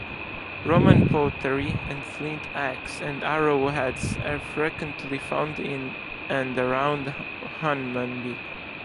Roman pottery and flint axe and arrowheads are frequently found in and around Hunmanby.